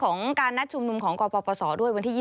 พระเจ้าจะมาชุมนุมแจ้งการข่าวไว้ดีกันไหม